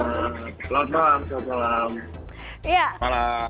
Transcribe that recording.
selamat malam selamat malam